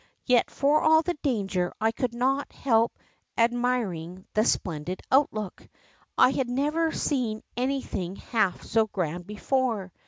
Yet for all the danger I could not help admir ing the splendid outlook. I had never seen any thing half so grand before.